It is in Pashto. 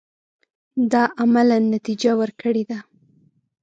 دا عملاً نتیجه ورکړې ده.